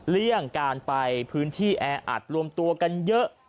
เลี่ยงการไปพื้นที่แออัดรวมตัวกันเยอะ